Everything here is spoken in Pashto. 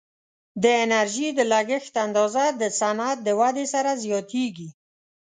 د انرژي د لګښت اندازه د صنعت د ودې سره زیاتیږي.